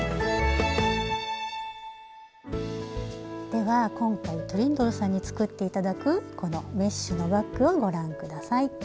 では今回トリンドルさんに作って頂くこのメッシュのバッグをご覧ください。